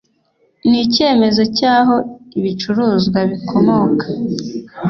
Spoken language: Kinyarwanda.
ni icyemezo cy'aho ibicuruzwa bikomoka